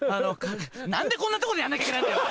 何でこんなとこでやんなきゃいけないんだよ！